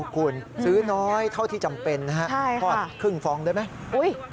คุณซื้อน้อยเท่าที่จำเป็นนะฮะทอดครึ่งฟองได้ไหม